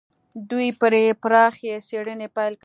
دوی پرې پراخې څېړنې پيل کړې.